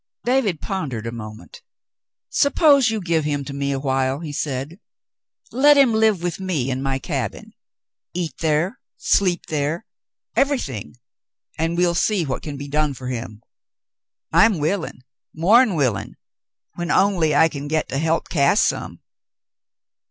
David pondered a moment. "Suppose you give him to me awhile," he said. "Let him live with me in my cabin — eat there, sleep there — everything, and we'll see what can be done for him." "I'm wnllin', more'n willin', when only I can get to help Cass some.